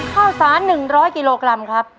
ข้าวสารหนึ่งร้อยกิโลกรัมครับ